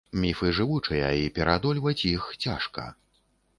Міфы жывучыя і пераадольваць іх цяжка.